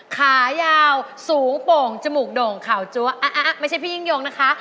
ขายาวสูงโป่งจมูกโด่งขาวจั๊วไม่ใช่พี่ยิ่งยงนะคะ